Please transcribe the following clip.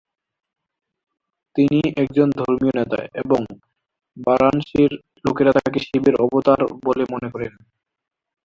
তিনি একজন ধর্মীয় নেতা এবং বারাণসীর লোকেরা তাঁকে শিবের অবতার বলে মনে করেন।